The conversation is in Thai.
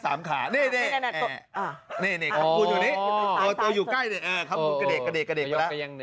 ตัวอยู่ใกล้อยู่กระเด็กแหละ